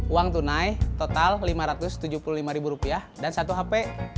uang tunai total rp lima ratus tujuh puluh lima dan satu hp